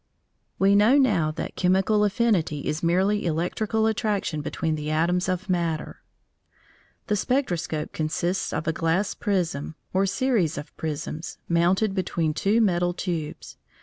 We know now that chemical affinity is merely electrical attraction between the atoms of matter. The spectroscope consists of a glass prism, or series of prisms, mounted between two metal tubes.